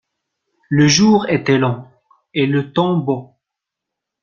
Le jour était long et le temps beau.